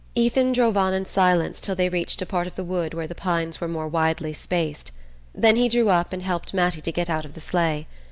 Ethan drove on in silence till they reached a part of the wood where the pines were more widely spaced; then he drew up and helped Mattie to get out of the sleigh.